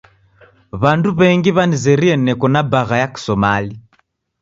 W'andu w'engi w'anizerie neko na bagha ya kiSomali.